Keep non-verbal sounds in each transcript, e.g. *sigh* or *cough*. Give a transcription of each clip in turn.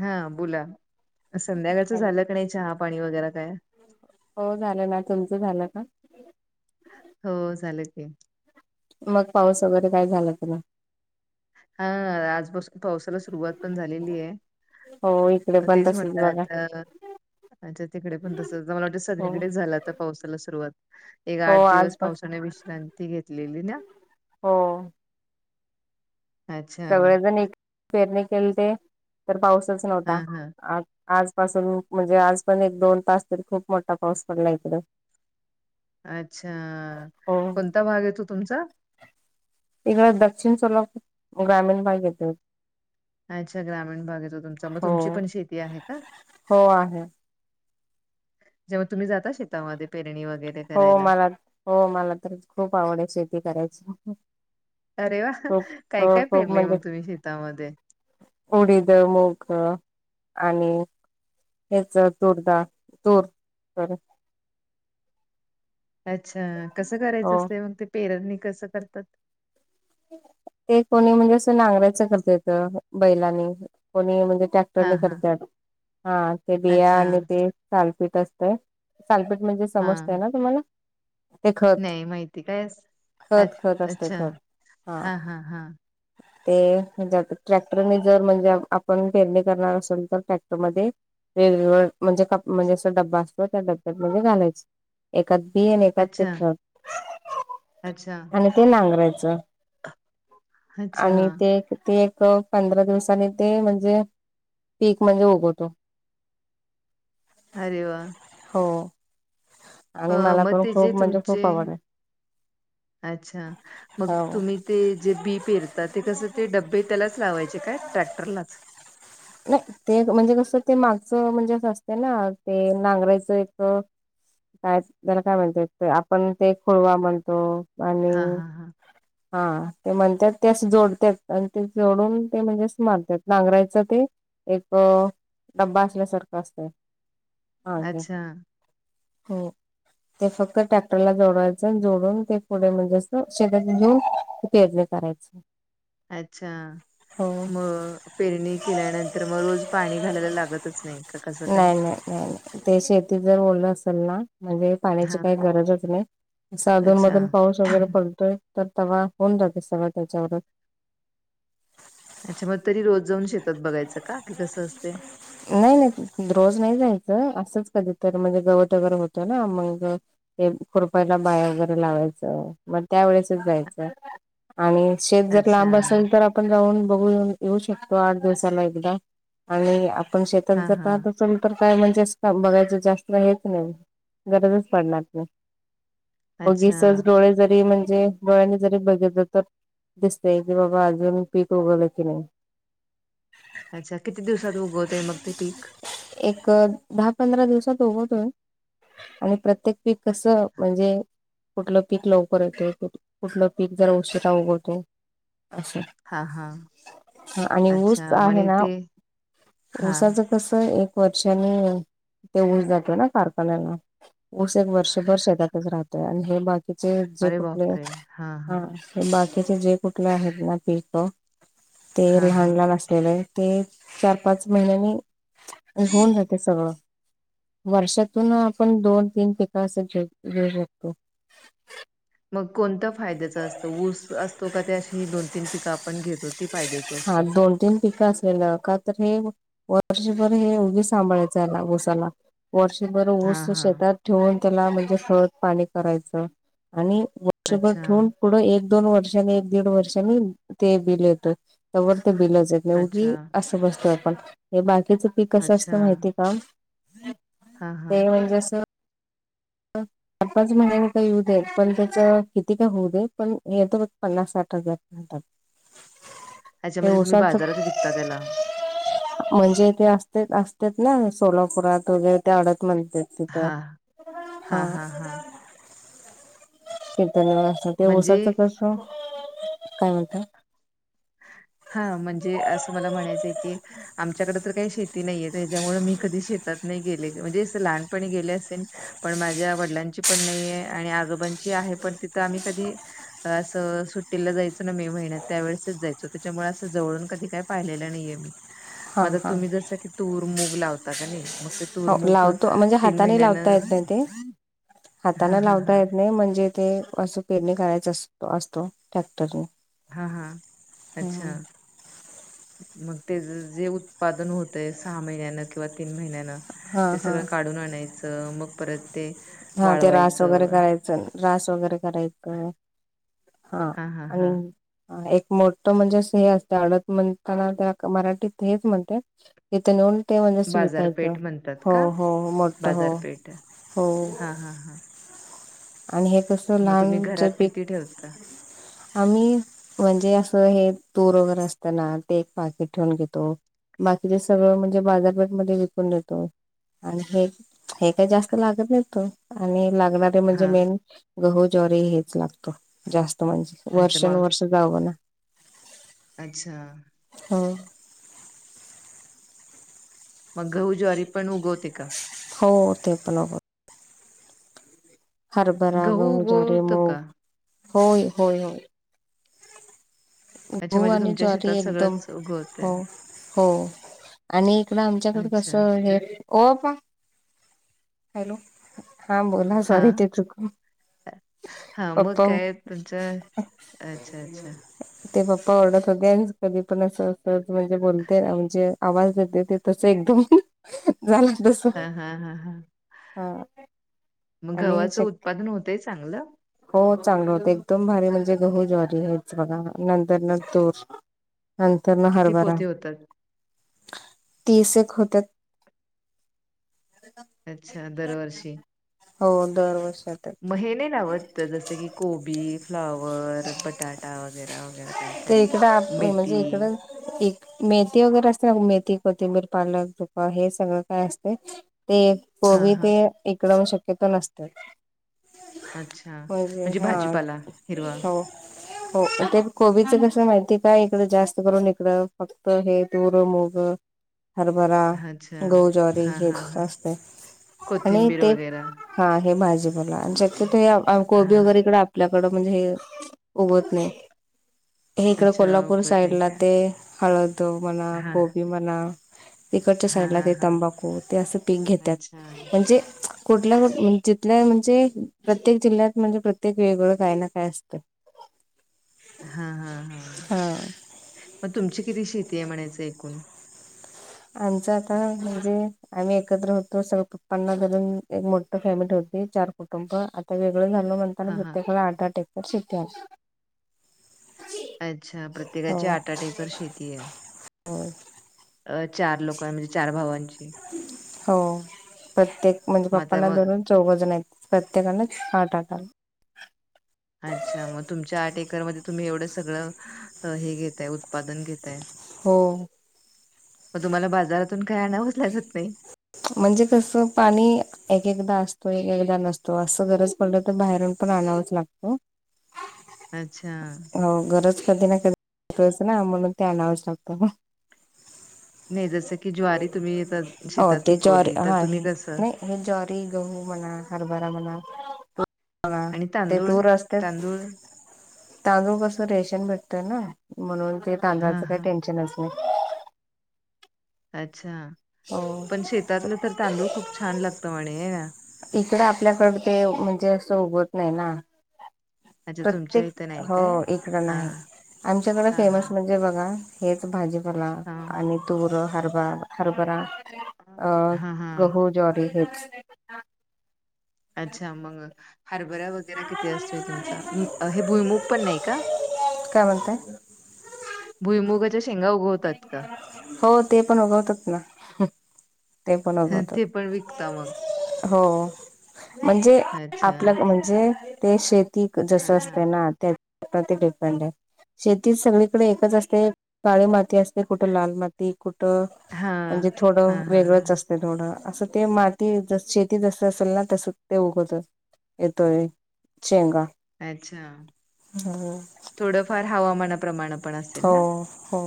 हा बोला, संध्याकाळचं हॅलो झालं का नाही चहा पाणी वगैरे काय? हो झालं ना, तुमचं झालं का? हो झालं की. मग पाऊस वगैरे काय झाला की ना? हा आजपासून पावसाला सुरुवात पण झालेली आहे. हो इकडे पण तेच तसच म्हणल बघा *unintelligible* अच्छा तिकडे पण तसंच मला वाटलं हो सगळीकडे झाला तर पावसाला सुरुवात, एक हो आठ आज दिवस पण पावसाने विश्रांती घेतलेली ना. हो. अच्छा सगळेजण एक पेरणी केलेते तर पाऊसचं हा नव्हता हा आ आजपासून म्हणजे आज पण एक दोन तास तरी खूप मोठा पाऊस पडला इकडं. अच्छा, हो कोणता भाग येतो तुमचा? इकडं दक्षिण सोलापूर ग्रामीण भाग येतोय. अच्छा ग्रामीण भाग येतो तुमचा, मग हो तुमची पण शेती आहे का? हो आहे जेव्हा तुम्ही जाता शेतामध्ये पेरणी वगैरे हो करायला मला हो मला तर खूप आवड आहे शेती करायची. अरे व्वा! खूप काय हो काय खूप पेरलंय म्हणजे मग तुम्ही शेतामध्ये? उडीद, मूग आणि हेच तूरदा तूर अच्छा, कसं हो करायचं असतंय मग ते पेरणी कसं करतात? ते कोणी म्हणजे असं नांगरायचा करत्यात बैलांनी कोणी म्हणजे टॅ हा क्टरनी हा करत्यात, हा ते बिया अच्छा आणि ते सालपीट असतयं सालपीट म्हणजे हा समजतयं ना तुम्हाला? ते खत नाही माहिती, काय असं? अ खत खत असते अच्छा खत हा हा हा. ते हेज्यात ट्रॅक्टरने जर म्हणजे आपण पेरणी करणार असेल तर ट्रॅक्टरमध्ये वेगवेगळं म्हणजे कप म्हणजे असं डब्बं असत्यात त्या डब्यात म्हणजे घालायचं. एकात बी आणि एकात ते अच्छा खत अच्छा आणि ते नांगरायच. अच्छा आणि ते एक ते एक पंधरा दिवसाने ते म्हणजे पीक म्हणजे उगवतो. अरे वा! हो. अ आणि मला मग पण ते जे खूप म्हणजे तुमचे.. खूप आवड आहे. अच्छा, मग हो. तुम्ही ते जे बी पेरता ते कसं ते डबे त्यालाच लावायचे काय ट्रॅक्टरलाच. नाही ते म्हणजे कसं ते मागचं म्हणजे असं असते ना ते नांगरायचं एकं काय त्याला काय म्हणतात आपण ते खोळवा म्हणतो. आणि हा हा हा. हा ते म्हणत्यात ते असं जोडत्यात आणि ते जोडून ते म्हणजे असं मारत्यात नांगरायचं ते एकं डब्बा असल्या सारखं असतंय मागे. अच्छा हो. ते फक्त ट्रॅक्टरला जोडवायचं जोडून ते पुढे म्हणजे असं शेतात घेऊन पेरणी करायचं. अच्छा म पेरणी केल्यानंतर मग रोज पाणी घालायला लागतच नाही. का कसं काय? नाही नाही, नाही नाही, ते शेतीत जर ओलं असलं ना म्हणजे पाण्याची हा काही गरजच नाही असा आधुन अच्छा मधून पाऊस वगैरे पडतोय तर तवा होऊन जातेस सगळं त्याच्यावर. ह्याच्यावर तरी रोज जाऊन शेतात बघायचं का की कसं असते? नाही नाही रोज नाही जायचं, असंच कधी तर म्हणजे गवत वगैरे होतं ना मग ते खुरपायला बाया वगैरे लावायचं, मग त्या वेळेसच जायचं. आणि शेत जर अच्छा. लांब असेल, तर आपण जाऊन बघून येऊन येऊ शकतो आठ दिवसाला एकदा. आणि आपण शेतात हां, जर हां. पाहतो चल तर काय म्हणजे असं का बघायचं जास्त हेच नाही, गरजच पडणार नाही. कधी अच्छा. सहज डोळे जरी म्हणजे डोळ्यांनी जरी बघितलं तर दिसतंय, की बाबा अजून पीक उगवल की नाही. अच्छा किती दिवसात उगवतय मग ते पीक? एक दहा पंधरा दिवसात उगवतोय. आणि प्रत्येक पीक कसं म्हणजे कुठलं पीक लवकर येतो, कुठलं पीक जर उशीरा उगवतो असं. हां, हां. हा आणि ऊस अच्छा. आहे म्हणे ना ते हां. ऊसाचं कसं एक वर्षाने ते ऊस जातं ना कारखान्याला. ऊस एक वर्षभर शेतातच राहतोय आणि हे बा कीचे जे अरे कुठले बापरे! हां, हा हां. बाकीचे जे कुठले आहेत ना पिकं, ते हां, लहान हां. लहान असलेले ते चार पाच महिन्यांनी होेऊन जाते सगळं. वर्षातून आपण दोन तीन पिकं असं घे घेऊ शकतो. मग कोणतं फायद्याचं असतं? ऊस असतो का ते अशी ही दोन तीन पिकं आपण घेतो ती फायद्याची? हा असतात? दोन तीन पिकं असलेलं. का तर हे वर्षभर हे उभी सांभाळायचं हे ऊसाला. वर्षभर ऊस हां, हां. शेतात ठेवून त्याला म्हणजे खत, पाणी करायचं आणि वर्षभर ठेवून अच्छा. पुढं एक दोन वर्षांनी एक दीड वर्षांनी ते बिल येतोय. त्यावर ते बिलच येत नाही अच्छा. उगी असं बसतोय आपण हे बाकीचं कसं अच्छा. असतं माहितीय का? हां, हां. ते म्हणजे असं *inaudible* पाच महिन्याने काही येऊ देेत, पण त्याच किती काय होऊ दे पण येतं मग पन्नास, साठ हजार. *unintelligible* अच्छा ते म्हणजे तुम्ही ऊसाचं बाजारात विकता त्याला? म्हणजे ते असते असतेत ना सोलापुरात? वगैरे ते अडत म्हणतात तिथं. हां. हा हां, हां, हां. *unintelligible* ते म्हणजे ऊसाचं कसं *unintelligible* काय म्हणता? हा म्हणजे असं मला म्हणायचंय की आमच्याकडे तर काही शेती नाहीये, त्याच्यामुळे मी कधी शेतात नाही गेले म्हणजे असं लहानपणी गेले असेल? पण माझ्या वडिलांची पण नाहीये आणि आजोबांची आहे, पण तिथं आम्ही कधी असं सुट्टीला जायचं ना मे महिन्यात त्यावेळेस जायचो, त्याच्यामुळे असं जवळून कधी काय पाहिलेलं नाहीये मी, हा मग आता हा तुम्ही जसं तूर, मूग लावता का नाही मग ते तूर, हो मूग लावतो म्हणजे हाताने लावता महिन्यानं येत नाही ते, हां, हातानं हां, लावता हां. येत नाही म्हणजे ते अस पेरणी करायच असतो ट्रॅक्टरनी हा हां अच्छा मग त्याच जे उत्पादन होतंय सहा महिन्यानं किंवा तीन महिन्यानं हा ते हा सगळं काढून आणायचं मग परत ते हा ते रास वगैरे वाळवायचं. करायचं रास वगैरे करायचं हा आणि ह एक मोठ म्हणजे हे असते आडद म्हणताना त्या मराठीत हेच म्हणते तिथ नेवून ते म्हणजे विकायचं बाजारपेठ म्हणतात हो का हो मोठ हो बाजारपेठ हो हा हा हा आणि हे कस मग तुम्ही लहान जे घरात पीक किती ठेवता आम्ही म्हणजे असं हे तूर वगैरे असतं ना ते एक पाकीट ठेवून घेतो. बाकीचे सगळं म्हणजे बाजारपेठ मध्ये विकून देतो. आणि हे हे काही जास्त लागत नाही तो आणि लागणार मेन हा म्हणजे गहू ज्वारी हेच लागतं जास्त म्हणजे अच्छा मग वर्षानुवर्ष गावाला अच्छा हम्म मग गहू ज्वारी पण उगवत हो ते पण उगव हरभरा गहू ज्वारी उगवतो का मुग होय होय होय अच्छा गहू म्हणजे आणि तुमच्या ज्वारी शेतात एकदम सगळंच हो उगवतंय हो आणि इकड आमच्याकड अच्छा कसं हे हो पप्पा हॅलो हा बोला हा सॉरी ते चुकनं हा मग काय तुमचं अच्छा अच्छा ते पप्पा ओरडत होते कधी पण असं अस म्हणजे बोलते आमचे आवाज येते ते तस एकदम झालं तस हा हा हा हा हा मग आणि गव्हाचं शक्य उत्पादन होतंय चांगलं हो चांगलं होत एकदम भारी म्हणजे गहू ज्वारी आहेच बघा नंतर न तूर नंतरन किती हरबरा पोते होतात? तीस एक होत्यात. अच्छा दरवर्षी हो दर वर्षात मगं हे नाही लावत जस की कोबी फ्लावर बटाटा वगैरे वगैरे कायं ते इकडं म्हणजे इकडं एक मेथी वगैरे असते ना मेथी कोथिंबीर पालक तुका हे सगळं काय असतयं. ते हा कोबी हा ते इकडवून शक्यतो नसत. अच्छा होयं ते म्हणजे हा भाजीपाला हिरवा. हो हो ते कोबीच कसं माहिती काय इकडं जास्त करून इकड फक्त हे तूर मुग हरभरा अच्छा गहू ज्वारी हा हे हा हा असते आणि कोथिंबीर ते वगैरा हा हे भाजीपाला आणि शक्यतो हा कोबी हा वगैरे इकड आपल्याकडं म्हणजे हे उगवत नाही. हे इकडे अच्छा कोल्हापूर उगवत साईड नाही ला का? ते हळद म्हणा हा कोबी म्हणा तिकडच्या हा साईडला हा ते हा तंबाखू ते असं पीक घेतात अच्छा म्हणजे कुठल्या क जिथल्या म्हणजे प्रत्येक जिल्ह्यात म्हणजे प्रत्येक वेगळं काय ना काय असत. हा हा हा मग तुमची किती शेती आहे म्हणायचं एकूण आमचं आता म्हणजे? आम्ही एकत्र होतो सगळ पन्नासजण मिळून एक मोठ फॅमिली होती चार कुटुंब आता वेगळं झालो म्ह आणि हा हा प्रत्येकाला आठ आठ एकर शेती अशी. अच्छा हो प्रत्येकाची आठ आठ एकर शेती आहे. होय. अह चार लोक म्हणजे चार भावांची हो प्रत्येक म्हणजे मग आता पप्पांना मग धरून चौघजण आहेत, प्रत्येकाने आठ आठ अच्छा मग तुमच्या आठ एकरमध्ये तुम्ही एवढं सगळं हे घेतय ऊत उत्पादन घेताय. हो मग तुम्हाला बाजारातून काय आणावंच लागत नाही. म्हणजे कसं पाणी एक एकदा असतो एक एकदा नसतो असं गरज पडलं तर बाहेरून पण आणावंच लागतो. अच्छा. हो गरज कधी ना कधीच ना म्हणून ते आणावंच लागतं. नाही जसं की ज्वारी तुम्ही हो शेतात ते ज्वारी पिकवली तर हा तुम्ही हे कसं नाही हे ज्वारी, गहू म्हणा, हरभरा म्हणा *unintelligible* आणि ते तांदूळ तूर असतेच तांदूळ तांदूळ कस रेशन भेटतय ना म्हणून ते तांदूळाच हा काही हा टेन्शनच नाही. अच्छा. हो पण शेतातलं तर तांदूळ खूप छान लागतं म्हणे आहे ना. इकड आपल्याकड ते म्हणजे असं उगवतं नाही ना. अच्छा तुमच्या प्रत्येक इथं नाही हो काय? इकडं हा नाही, आमच्याकडे हा फेमस हा म्हण जे बघा हेच भाजीपाला हा आणि तुर हरभा हरभरा अह हा हा गहू ज्वारी हेच अच्छा मग हरभरा रा किती असतोय तुमचा हे भुईमूग पण नाही का? काय म्हणताय भुईमुगाच्या शेंगा उगवतात का? हो ते पण उगवतात ना. ते पण हं, उगवत ते पण विकता मग? हो. म्हणजे? अच्छा. आपल म्हणजे ते शेती जस हां हां. असते ना त्या वरती डिपेंड आहे. शेती सगळीकडे एकच असते काळी माती असते कु कुठ लालमाती कुठं हां. म्हणजे थोडं हां हां हां. वेगळंच असतं थोडं असं ते माती ज शेती जस असेल ना तस ते उगवतं येतोय शेंगा अच्छा थोडंफार हवामानाप्रमाण हो हो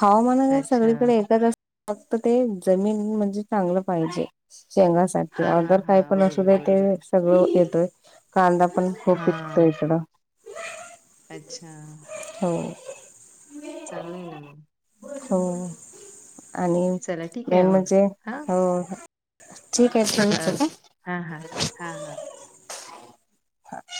हवामान काय अच्छा. सगळीकडे एकच अस फक्त ते जमीन म्हणजे चांगलं पाहिजे शेंगा हां हां अदर काही हां. पण असू बरोबर दे ते बरोबर. सगळं येतोय, कांदा पण खूप पिकतोय हां. इकडं अच्छा. हो. चांगलं आहे ना मग हो आणि चला ठीक आहे मेन मग. म्हणजे हां. हो ठीक आहे. *unintelligible* हा हा हा हा. हा.